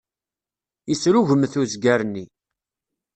Yesrugmet uzger-nni.